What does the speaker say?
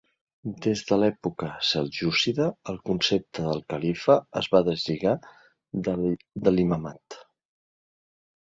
Des de l'època seljúcida el concepte del califa es va deslligar de l'imamat.